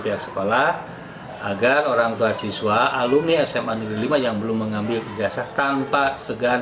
pihak sekolah agar orang tua siswa alumni sma negeri lima yang belum mengambil ijazah tanpa segan